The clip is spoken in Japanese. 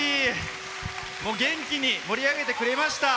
元気に盛り上げてくれました。